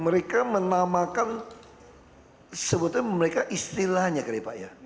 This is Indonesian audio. mereka menamakan sebutan mereka istilahnya kali pak ya